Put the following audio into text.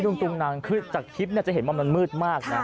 อิรุงตรุงนังคือจากคลิปจะเห็นมันมืดมากนะ